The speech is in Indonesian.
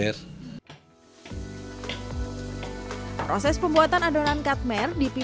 proses pembuatan adonan katmer di pipi